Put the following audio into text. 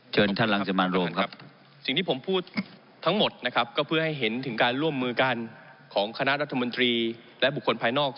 เชิญท่านรังสิมันโรมครับสิ่งที่ผมพูดทั้งหมดนะครับก็เพื่อให้เห็นถึงการร่วมมือกันของคณะรัฐมนตรีและบุคคลภายนอก